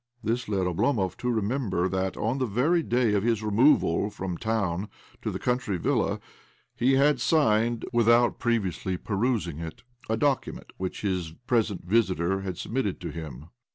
This led Oblomov to remember that, on the very day of his removal from town to the country villa, he had signed, without previously perusing it, a document which his present visitor had submitted to him.